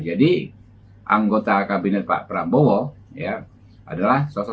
jadi anggota kabinet pak prabowo adalah sosok sosok